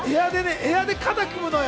エアで肩組むのよ。